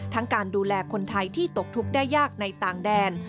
การดูแลคนไทยที่ตกทุกข์ได้ยากในต่างแดน